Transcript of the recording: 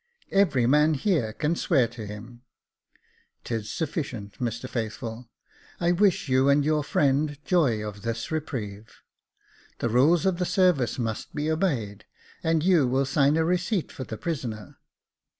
" Every man here can swear to him." "'Tis sufficient, Mr Faithful. I wish you and your friend joy of this reprieve. The rules of the service must be obeyed, and you will sign a receipt for the prisoner."